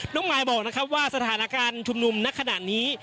มายบอกนะครับว่าสถานการณ์ชุมนุมณขณะนี้